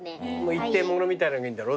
一点物みたいなのがいいんだろ？